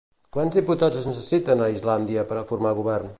Quants diputats es necessiten a Islàndia per a formar govern?